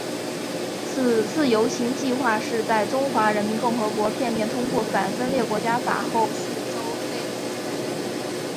此次游行计画是在中华人民共和国片面通过反分裂国家法后数周内浮出台面。